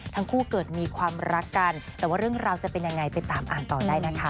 ทั้งคู่เกิดมีความรักกันแต่ว่าเรื่องราวจะเป็นยังไงไปตามอ่านต่อได้นะคะ